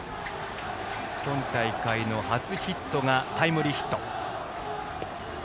今大会の初ヒットがタイムリーヒット。